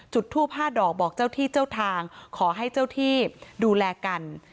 จุดทูป๕ดอกบอกเจ้าที่เจ้าทางขอให้เจ้าที่ดูแลกัน